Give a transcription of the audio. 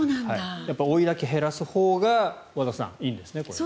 やっぱり追いだきを減らすほうが和田さん、いいんですね。